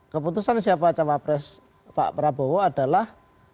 keputusan siapa cowok pres pak prabowo adalah